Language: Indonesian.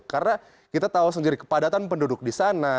karena kita tahu sendiri kepadatan penduduk di sana